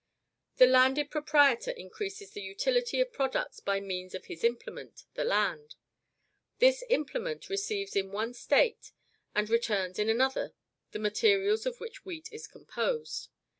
"The landed proprietor increases the utility of products by means of his implement, the land. This implement receives in one state, and returns in another the materials of which wheat is composed.